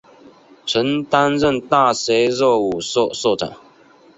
曾担任大学热舞社社长。